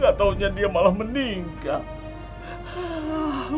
gak tahunya dia malah meninggal